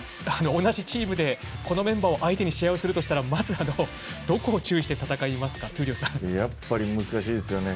同じチームで、このメンバーを相手に試合をするとしたらまずどこを注意して戦いますかやっぱり難しいですよね。